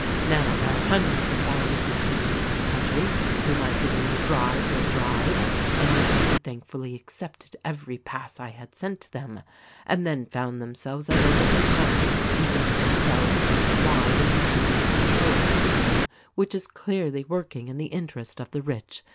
Now there are hundreds of thousands of people in this country whom I could neither bribe nor drive and yet who thankfully accepted every pass 1 had sent to them — and then found themselves unable to account, even to themselves, why they continued to support 180 THE RECORDING ANGEL a system which is clearly working in the interest of the rich.